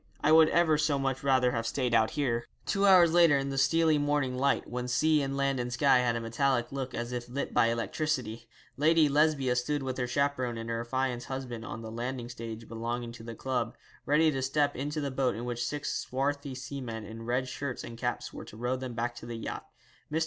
I would ever so much rather have stayed out here.' Two hours later, in the steely morning light, when sea and land and sky had a metallic look as if lit by electricity, Lady Lesbia stood with her chaperon and her affianced husband on the landing stage belonging to the club, ready to step into the boat in which six swarthy seamen in red shirts and caps were to row them back to the yacht. Mr.